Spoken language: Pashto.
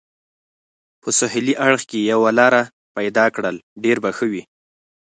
په سهېلي اړخ کې یوه لار پیدا کړل، ډېر به ښه وي.